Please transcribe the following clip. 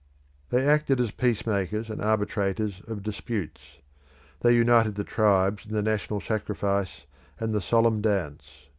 They acted as peacemakers and arbitrators of disputes. They united the tribes in the national sacrifice and the solemn dance.